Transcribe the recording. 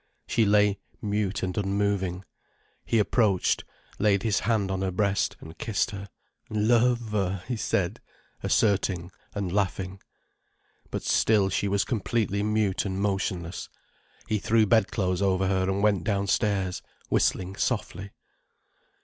She lay mute and unmoving. He approached, laid his hand on her breast, and kissed her. "Love," he said, asserting, and laughing. But still she was completely mute and motionless. He threw bedclothes over her and went downstairs, whistling softly.